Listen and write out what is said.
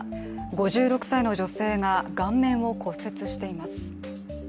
５６歳の女性が顔面を骨折しています。